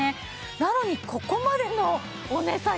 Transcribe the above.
なのにここまでのお値下げ！